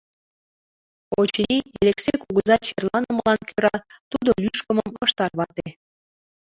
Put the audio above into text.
Очыни, Элексей кугыза черланымылан кӧра тудо лӱшкымым ыш тарвате.